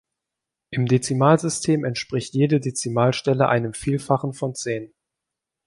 Im Dezimalsystem entspricht jede Dezimalstelle einem Vielfachen von Zehn.